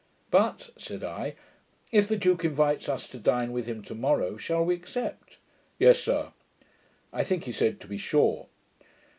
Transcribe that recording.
'But,' said I, 'if the duke invites us to dine with him to morrow, shall we accept?' 'Yes, sir,' I think he said, 'to be sure.'